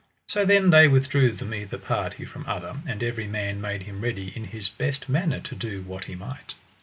So then they withdrew them either party from other, and every man made him ready in his best manner to do what he might.